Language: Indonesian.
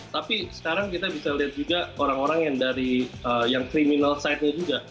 tapi sekarang kita bisa lihat juga orang orang yang dari yang criminal side nya juga